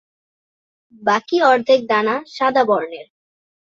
বাকি অর্ধেক ডানা সাদা বর্ণের।